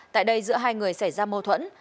tại đây giữa hai người xảy ra mô thuẫn